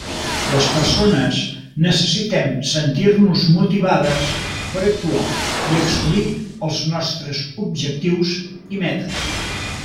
Les persones necessitem sentir-nos motivades per actuar i assolir els nostres objectius i metes.